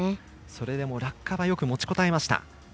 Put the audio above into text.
それでも落下はよく持ちこたえました。